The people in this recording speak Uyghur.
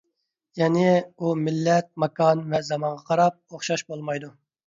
يەنى، ئۇ، مىللەت، ماكان ۋە زامانغا قاراپ ئوخشاش بولمايدۇ.